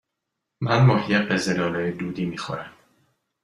من ماهی قزل آلا دودی می خورم.